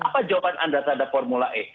apa jawaban anda terhadap formula e